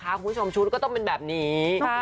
คุณผู้ชมชุดก็ต้องเป็นแบบนี้